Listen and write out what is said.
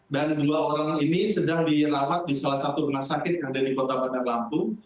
dan dua orang ini sedang dirawat di salah satu rumah sakit yang ada di kota bandar lampung